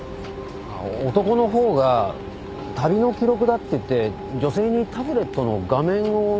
男の方が「旅の記録だ」って言って女性にタブレットの画面を見せてました。